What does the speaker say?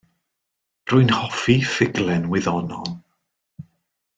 Rwy'n hoffi ffuglen wyddonol.